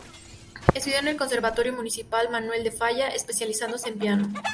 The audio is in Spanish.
Estudió en el Conservatorio Municipal Manuel de Falla, especializándose en piano.